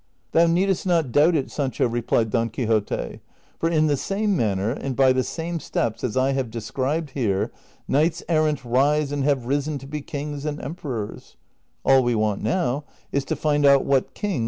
" Thou needst not doubt it, Sancho," replied Don Quixote, " for in the same manner, and by the same steps as I have de scribed here, knights errant rise and have risen to be kings and emperors ; all we want now is to find oiit Avhat king.